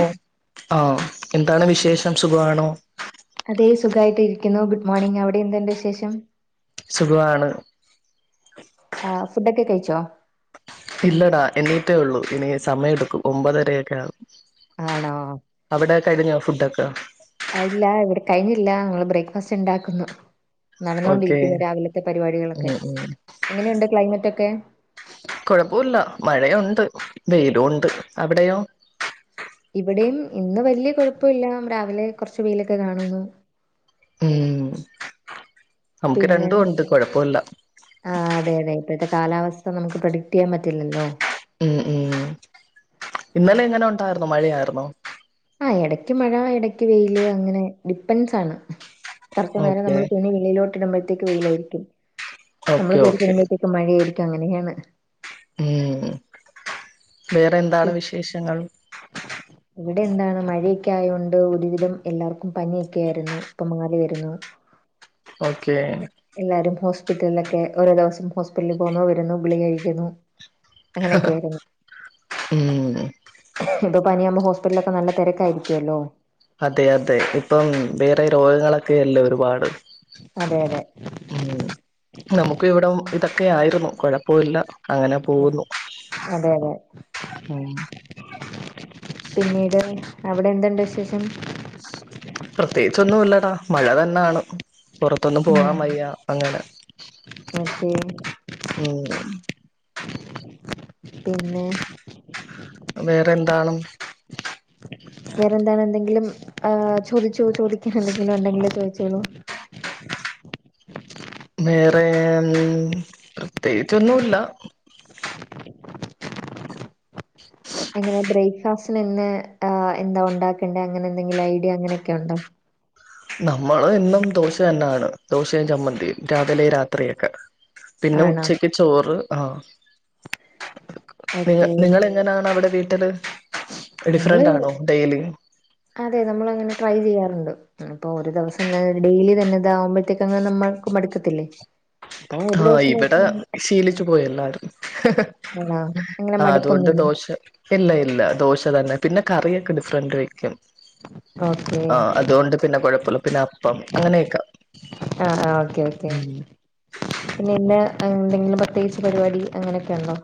ഓ ആഹ് എന്താണ് വിശേഷം സുഖമാണോ? അതെ സുഖമായിട്ട് ഇരിക്കുന്നു ഗുഡ് മോർണിംഗ് അവിടെ എന്തുണ്ട് വിശേഷം. സുഖവാണ്. ആ ഫുഡൊക്കെ കഴിച്ചോ? ഇല്ലടാ എന്നീറ്റേ ഉള്ളൂ ഇനി സമയ എടുക്കും ഒമ്പതരയൊക്കെയാവും. ആണോ? അവിടെക്കഴിഞ്ഞോ ഫുഡൊക്കെ. ഇല്ല ഇവിടെ കഴിഞ്ഞില്ല ഞങ്ങൾ ബ്രേക്ക്ഫാസ്റ്റ് ഉണ്ടാക്കുന്നു. ഓക്കെ നടന്നോണ്ടിരിക്കുന്നു രാവിലത്തെ പരിപാടികളൊക്കെ ഉം ഉം എങ്ങനെയുണ്ട. ക്ലൈമറ്റ് ഒക്കെ? കുഴപ്പില്ല മഴയുണ്ട് വെയിലുണ്ട് അവിടെയോ ഇവിടെയും ഇന്ന് വലിയ കുഴപ്പമില്ല രാവിലെ കുറച്ചു വെയിലൊക്കെ കാണുന്നു ഉം നമുക്ക് പിന്നെ രണ്ടും ഉണ്ട് കുഴപ്പല്ല. ആ അതെ അതെ ഇപ്പോഴത്തെ കാലാവസ്ഥ നമുക്ക് പ്രഡിക്ട് ചെയ്യാൻ പറ്റില്ലല്ലോ? ഉം ഉം ഇന്നലെ എങ്ങനെ ഉണ്ടായിരുന്നു മഴയായിരുന്നോ? ആഹ് എടയ്ക്ക് മഴ എടക്ക് വെയില് അങ്ങനെ ഡിപ്പെൻസാണ് കുറച്ച് നേരം ഓക്കെ നമ്മള് തുണി വെളിലോട്ട് ഇടുമ്പോഴത്തേക്ക് വെയിലായിരിക്കും. ഓക്കെ നമ്മള് കയറി ഓക്കെ കഴിയുമ്പോഴത്തേക്ക് മഴയ ആയിരിക്കും അങ്ങനെയാണ്. ഉം വേറെ എന്താണ് വിശേഷങ്ങൾ ഇവിടെ എന്താണ് മഴയൊക്കെ ആയൊണ്ട് ഒരുവിധം എല്ലാവർക്കും പനിയൊക്കെ ആയിരുന്നു ഇപ്പൊ മാറി വരുന്നു ഓക്കെ എല്ലാരും ഹോസ്പിറ്റലിലൊക്കെ ഓരോ ദിവസം ഹോസ്പിറ്റലിൽ പോകന്നോ വരുന്നു ഗുളിക കഴിക്കുന്നു അങ്ങനെയൊക്കെ ആയിരുന്നു ഉം ഇപ്പൊ പനിയാവുമ്പോ ഹോസ്പിറ്റലിലൊക്കെ നല്ല തിരക്കായിരിക്കുവല്ലോ അതെ അതെ ഇപ്പം വേറെ രോഗങ്ങളൊക്കെല്ലേ ഒരുപാട് അതെ അതെ ഉം നമുക്ക് ഇവിടെം ഇതൊക്കെ ആയിരുന്നു. കൊഴപ്പൊ ഇല്ല. അങ്ങനെ പോകുന്നു അതെ അതെ ഉം പിന്നീട് അവിടെ എന്ത്ണ്ട് വിശേഷം പ്രത്യേകിച്ചൊന്നും ഇല്ലടാ മഴ തന്നെയാണ് പുറത്തൊന്ന് ഉം പോവാൻ വയ്യ അങ്ങനെ ഓക്കെ ഉം പിന്നെ വേറെ എന്താണ് വേറെന്താണ് എന്തെങ്കിലും ആ ചോദിച്ചോ ചോദിക്കൻ എന്തെല്ലെങ്കിലും ഉണ്ടെങ്കിൽ ചോദിച്ചോളു വേറെ പ്രത്യേകിച്ചൊന്നുല്ല ഉ എങ്ങനെ ബ്രേക്ക്ഫാസ്റ്റനിന്ന് എന്താ ഒണ്ടാക്കേണ്ടേ അങ്ങനെ എന്തെങ്കിലും ഐഡിയ അങ്ങനെയൊക്കെ ഉണ്ടോ നമ്മള് എന്നും ദോശ തന്നെയാണ് ദോശയും ചമ്മന്തിയും രാവിലെയും രാത്രി ഒക്കെ പിന്നെ ആണോ ഉച്ചക്ക് ചോറ് ആഹ് നിങ്ങ ഓക്കെ നിങ്ങള് എ ങ്ങനാണോ അവിടെ വീട്ടില് നമ്മള് ഡിഫ്റന്റാ ണോ ഡെയിലി? അതെ നമ്മൾ അങ്ങനെ ട്രൈ ചെയ്യാറുണ്ട്. ആ ഇപ്പൊ ഒരു ദിവസം തെന്നെ ഡെയിലി തന്നെ ഇതാവുമ്പത്തേക്കെങ്ങാന് നമ്മൾക്ക് മട്ക്കത്തില്ലേ. ആഹ് ഇവിടെ ശീലിച്ചു പോയല്ലാരും ആണോ അങ്ങനെ ആഹ് അതുകൊണ്ട് മടുപ്പൊന്നുല്ല ദോശ. ഇല്ല ഇല്ല ദോശ തന്നെ പിന്നെ, കറിയൊക്കെ ഡിഫ്റന്റ് വെയ്ക്കും. ഓക്കെ ആഹ് അതുകൊണ്ട് പിന്നെ കൊഴപ്പല്ല. പിന്നെ, അപ്പം അങ്ങനെയക്കെ. ആഹ് ആഹ് ഓക്കേ ഓക്കേ പിന്നെ, ഇന്ന് ഏഹ് എന്തെങ്കിലും പ്രത്യേകിച്ച് പരിപാടി അങ്ങനെയൊക്കെ ഇണ്ടോ?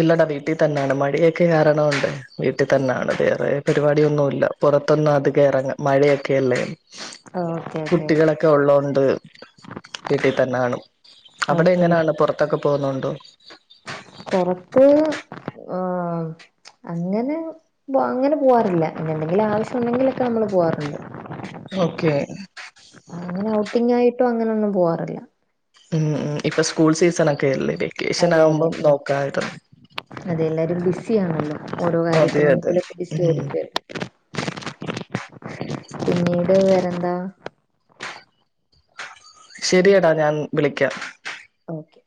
ഇല്ലടാ വീട്ടി തന്നെ ആണ്. മടിയൊക്കെ കാരണോണ്ട് വീട്ട് തന്നെ ആണ് വേറെ പരിവാടിയൊന്നു ഇല്ല. പൊറത്തൊന്ന് അധിക ഇറങ്ങ് മഴയൊക്കെ അല്ലേ? ഓക്കെ ഓക്കെ കുട്ടികളെക്കെ ഉള്ളോണ്ട് വീട്ടി തന്നെയാണ്. അവിടെ ഓക്കെ എങ്ങനെയാണ് പൊറത്തൊക്കെ പോവുന്നുണ്ടോ? പൊറത്ത് ആഹ് അങ്ങനെ ബോ അങ്ങനെ പോവാറില്ല. പിന്നെ, എന്തെങ്കിലും ആവശ്യം ഉണ്ടെങ്കിലൊക്കെ നമ്മള് പോവാറുണ്ട്. ഓക്കെ അങ്ങനെ ഔട്ടിംഗ ആയിട്ടും അങ്ങനെ ഒന്നും പോവാറില്ല. ഉം ഉം ഇപ്പ സ്കൂൾ സീസൺ ഒക്കെ അല്ലേ വെക്കേഷൻ അതെ അതെ ആവുമ്പം നോക്കായിരുന്നു. അതെ, എല്ലാരും ബിസി ആണല്ലോ ഓരോ അതെ കാര്യത്തിലും അതെ പിന്നെ ബിസി ഉം ആയിരിക്ക്. പിന്നീട് വേറെന്താ? ശെരി എടാ ഞാൻ വിളിക്കാം. ഓക്കെ.